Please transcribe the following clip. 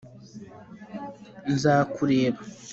nzakureba